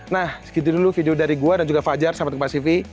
nah segitu dulu video dari gua dan juga fakjar sobatkempatsivi